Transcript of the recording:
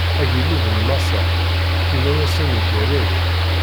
Agellid n Maṣer inna-asen-d igerrez.